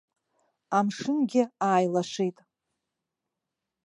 Амшынгьы ааилашит.